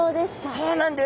そうなんです。